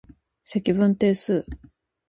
積分定数